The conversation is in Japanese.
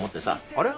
あれ？